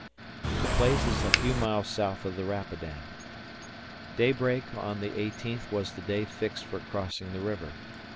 The place is a few miles south of the Rapidan. Daybreak on the eighteenth was the time fixed for crossing the river.